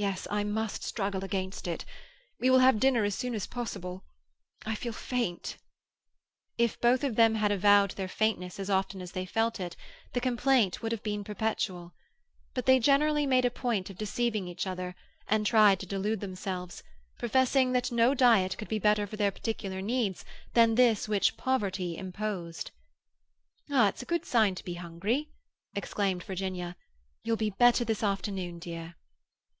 "Yes, I must struggle against it. We will have dinner as soon as possible. I feel faint." If both of them had avowed their faintness as often as they felt it, the complaint would have been perpetual. But they generally made a point of deceiving each other, and tried to delude themselves; professing that no diet could be better for their particular needs than this which poverty imposed. "Ah! it's a good sign to be hungry," exclaimed Virginia. "You'll be better this afternoon, dear."